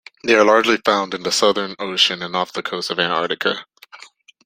They are largely found in the Southern Ocean and off the coast of Antarctica.